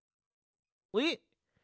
えっ？